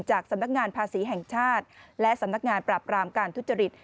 สำนักงานภาษีแห่งชาติและสำนักงานปราบรามการทุจริต